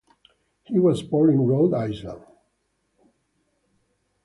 He was born in Rhode Island.